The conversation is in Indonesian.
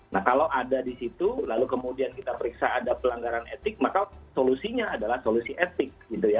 nah kalau ada di situ lalu kemudian kita periksa ada pelanggaran etik maka solusinya adalah solusi etik gitu ya